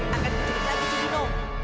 akan kecil kecil lagi cikgu nung